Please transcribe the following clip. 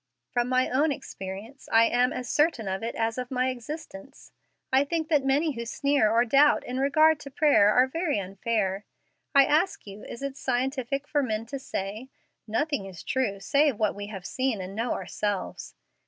From my own experience I am as certain of it as of my existence. I think that many who sneer or doubt in regard to prayer are very unfair. I ask you, is it scientific for men to say, 'Nothing is true save what we have seen and know ourselves?'